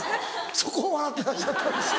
そこを笑ってらっしゃったんですか。